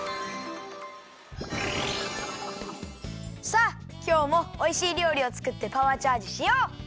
さあきょうもおいしいりょうりをつくってパワーチャージしよう！